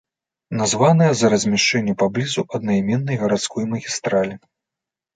Названая з-за размяшчэння паблізу аднайменнай гарадской магістралі.